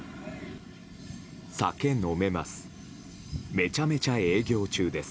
酒飲めます。